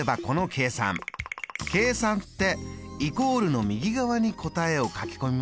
計算ってイコールの右側に答えを書き込みますよね。